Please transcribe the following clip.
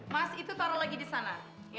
mas itu taruh lagi disana